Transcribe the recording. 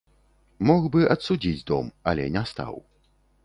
Мог бы адсудзіць дом, але не стаў.